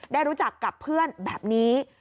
ได้รู้จักกับเพื่อนแบบนี้